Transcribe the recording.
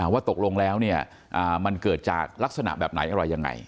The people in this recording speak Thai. ว่าตกลงแล้วมันเกิดจากลักษณะแบบไหนอะไรยังไง